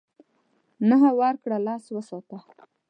نهه ورکړه لس وساته .